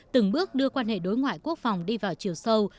từng bước đưa quan hệ đối ngoại quốc phòng đi vào chiều sâu